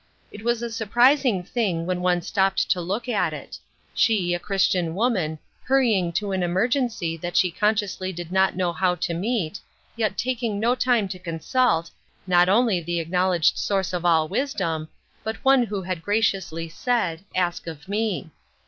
It was a surprising thing, when one stopped to look at it. She, a Christian woman, hurrying to an emergency that she consciously did not know how to meet, yet taking no time to consult, not only the acknowl edged Source of all wisdom, but One who had graciously said, " Ask of Me."